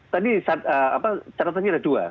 tadi catatannya ada dua